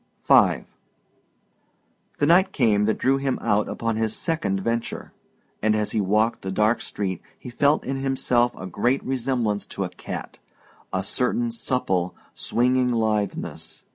V The night came that drew him out upon his second venture, and as he walked the dark street he felt in himself a great resemblance to a cat a certain supple, swinging litheness.